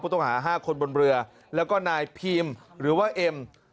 ต้องหา๕คนบนเรือแล้วก็นายพีมหรือว่าเอ็ม